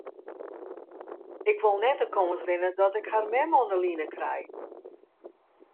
Ik wol net de kâns rinne dat ik har mem oan 'e line krij.